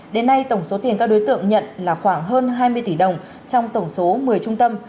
đến nay tổng số tiền các đối tượng nhận là khoảng hơn hai mươi tỷ đồng trong tổng số một mươi trung tâm